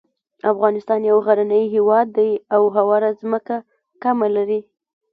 افغانستان یو غرنی هیواد دی او هواره ځمکه کمه لري.